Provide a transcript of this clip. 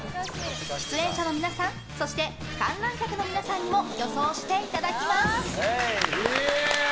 出演者の皆さんそして観覧客の皆さんにも予想していただきます！